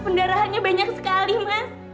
pendarahannya banyak sekali mas